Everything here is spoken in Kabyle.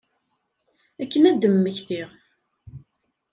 Akken ad d-mmektiɣ.